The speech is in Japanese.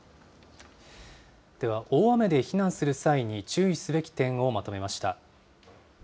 では、大雨で避難する際に注意すべき点をまとめました。